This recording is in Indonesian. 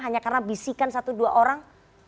hanya karena bisikan satu dua orang